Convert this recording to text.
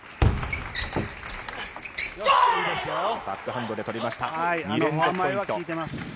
バックハンドで取りました。